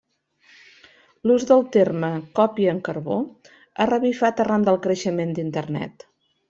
L'ús del terme còpia en carbó ha revifat arran del creixement d'Internet.